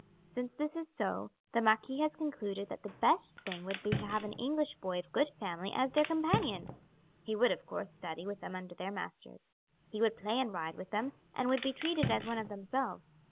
"Since this is so, the marquis has concluded that the best thing would be to have an English boy of good family as their companion. He would, of course, study with them under their masters. He would play and ride with them, and would be treated as one of themselves.